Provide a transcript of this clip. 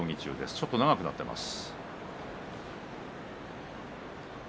ちょっと長くなっています。